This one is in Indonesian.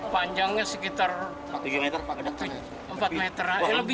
panjangnya sekitar empat meter